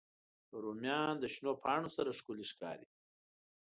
رومیان د شنو پاڼو سره ښکلي ښکاري